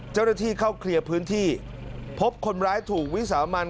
เจ้าหน้าที่เข้าเคลียร์พื้นที่พบคนร้ายถูกวิสามัน